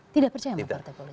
tidak percaya sama partai politik